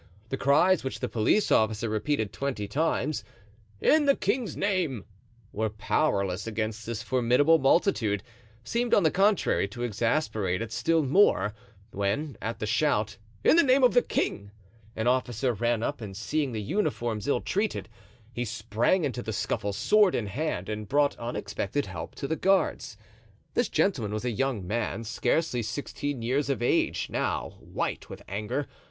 The cries which the police officer repeated twenty times: "In the king's name," were powerless against this formidable multitude—seemed, on the contrary, to exasperate it still more; when, at the shout, "In the name of the king," an officer ran up, and seeing the uniforms ill treated, he sprang into the scuffle sword in hand, and brought unexpected help to the guards. This gentleman was a young man, scarcely sixteen years of age, now white with anger.